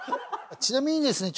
ちなみにですね